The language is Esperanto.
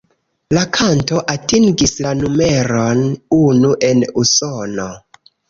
La kanto atingis la numeron unu en Usono.